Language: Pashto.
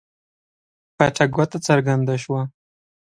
پټه ګوته څرګنده شوه.